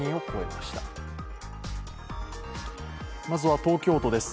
まずは東京都です。